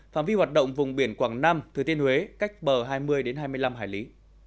phạm vi hoạt động vùng biển quảng nam thừa thiên huế cách bờ hai mươi hai mươi năm hải lý